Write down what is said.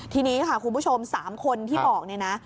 ทีนี้ค่ะคุณผู้ชม๓คนที่บอกเนี่ยนะ